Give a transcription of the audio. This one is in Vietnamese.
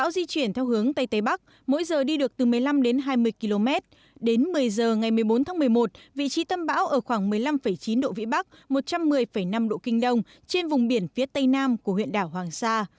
vị trí tâm bão ở khoảng một mươi năm chín độ vĩ bắc một trăm một mươi năm độ kinh đông trên vùng biển phía tây nam của huyện đảo hoàng sa